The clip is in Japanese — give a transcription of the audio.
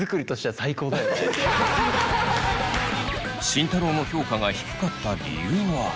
慎太郎の評価が低かった理由は。